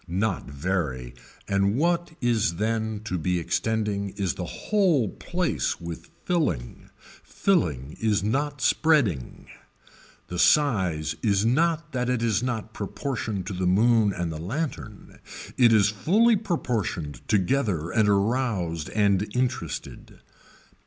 Not very and what is then to be extending is the whole place with filling. Filling is not spreading. The size is not that it is not proportioned to the moon and the lantern, it is fully proportioned together and aroused and interested.